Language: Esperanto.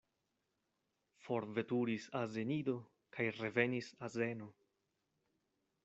Forveturis azenido kaj revenis azeno.